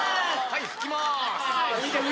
はい。